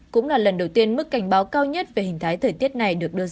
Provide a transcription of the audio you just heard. cũng là lần đầu tiên mức cảnh báo cao nhất về hình thái thời tiết này được đưa ra